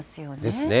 ですね。